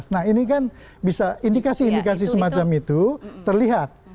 nah ini kan bisa indikasi indikasi semacam itu terlihat